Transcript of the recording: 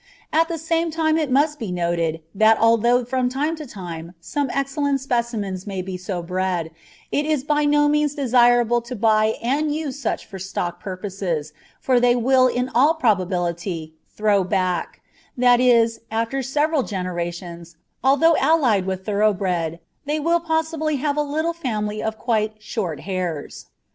At the same time it must be noted, that, although from time to time some excellent specimens may be so bred, it is by no means desirable to buy and use such for stock purposes, for they will in all probability "throw back" that is, after several generations, although allied with thoroughbred, they will possibly have a little family of quite "short hairs."